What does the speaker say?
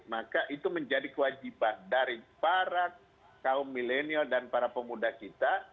maka itu menjadi kewajiban dari para kaum milenial dan para pemuda kita